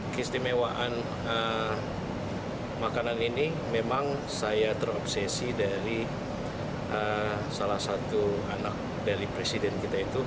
keistimewaan makanan ini memang saya terobsesi dari salah satu anak dari presiden kita itu